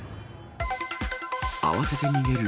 慌てて逃げる